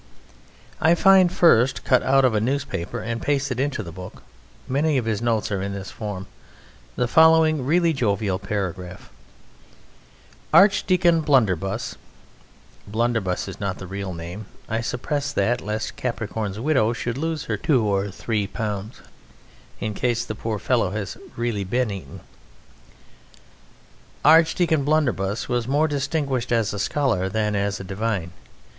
I find first, cut out of a newspaper and pasted into the book (many of his notes are in this form), the following really jovial paragraph: "Archdeacon Blunderbuss (Blunderbuss is not the real name; I suppress that lest Capricorn's widow should lose her two or three pounds, in case the poor fellow has really been eaten). Archdeacon Blunderbuss was more distinguished as a scholar than as a Divine.